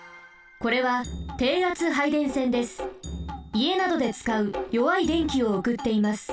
いえなどでつかうよわい電気をおくっています。